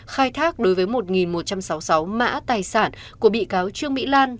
khai thác đối với một một trăm sáu mươi sáu mã tài sản của bị cáo trương mỹ lan